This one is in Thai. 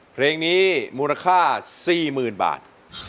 เพลงนี้มูลค่า๔๐๐๐บาท